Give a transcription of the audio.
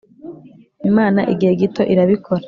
imana igihe gito irabikora